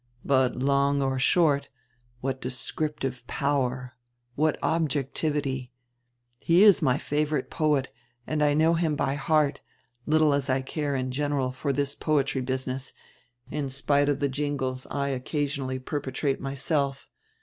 "But long or short, what descriptive power, what objectivity! He is my favorite poet and I know him by heart, little as I care in general for this poetry business, in spite of the jingles I occasion ally perpetrate myself.